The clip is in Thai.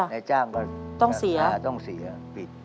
นายจ้างก็ต้องเสียต้องเสียปิด